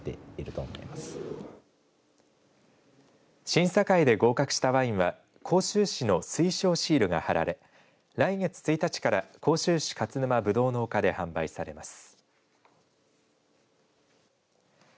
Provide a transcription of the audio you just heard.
審査会で合格したワインは甲州市の推奨シールが貼られ来月１日から甲州市勝沼ぶどうの丘で販売されます。